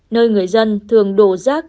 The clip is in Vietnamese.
nơi người dân thường đổ rác